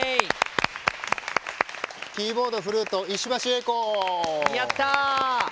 キーボード＆フルート、石橋英子。